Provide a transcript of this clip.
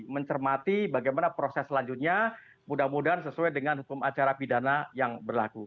mencermati bagaimana proses selanjutnya mudah mudahan sesuai dengan hukum acara pidana yang berlaku